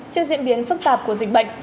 trước diễn biến phức tạp của dịch bệnh